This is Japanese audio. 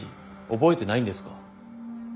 覚えてないんですか？